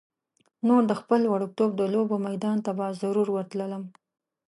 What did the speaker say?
نو د خپل وړکتوب د لوبو میدان ته به ضرور ورتللم.